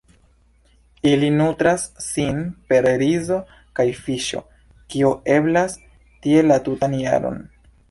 Ili nutras sin per rizo kaj fiŝo, kio eblas tie la tutan jaron.